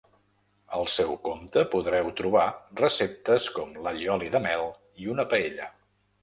Al seu compte podreu trobar receptes com l’allioli de mel i una paella.